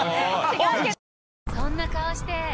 そんな顔して！